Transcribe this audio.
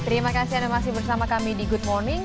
terima kasih anda masih bersama kami di good morning